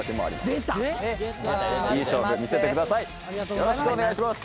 よろしくお願いします。